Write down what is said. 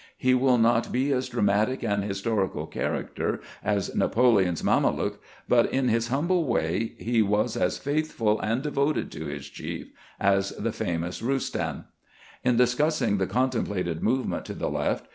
He wiU not be as dramatic an historical character as Napoleon's Mame luke, but in his humble way he was as faithful and devoted to his chief as the famous Roustan. In discussing the contemplated movement to the left.